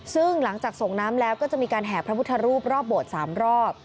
ซึ่งหลังจากส่งน้ำแล้วก็จะมีการแห่พระพุทธรูปรอบโบสถ์๓รอบ